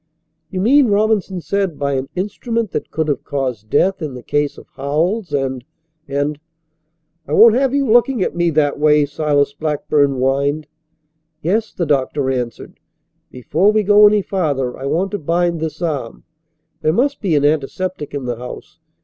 "You mean," Robinson said, "by an instrument that could have caused death in the case of Howells and and " "I won't have you looking at me that way," Silas Blackburn whined. "Yes," the doctor answered. "Before we go any farther I want to bind this arm. There must be an antiseptic in the house.